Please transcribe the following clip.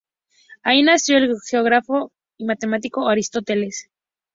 Allí nació el geógrafo y matemático Eratóstenes.